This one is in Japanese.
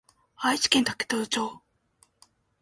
愛知県武豊町